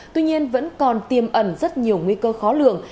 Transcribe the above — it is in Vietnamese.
tuy nhiên vẫn còn tiêm ẩn rất nhiều nguy cơ khó lượng